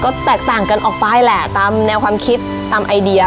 ก็แตกต่างกันออกไปแหละตามแนวความคิดตามไอเดีย